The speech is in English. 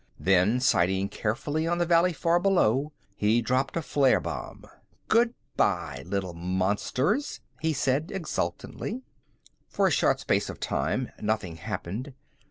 Then, sighting carefully on the valley far below, he dropped a flare bomb. "Goodbye, little monsters," he said exultantly. For a short space of time, nothing happened.